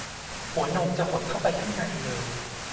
หัวนมจะหดเข้าข้างในไปเลย